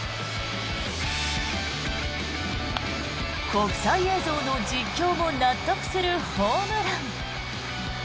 国際映像の実況も納得するホームラン。